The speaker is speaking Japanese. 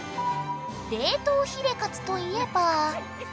冷凍ヒレかつといえば。